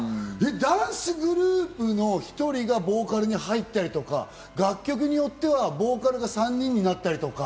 ダンスグループの１人がボーカルに入ったりとか、楽曲によってはボーカルが３人になったりとか。